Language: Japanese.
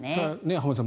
浜田さん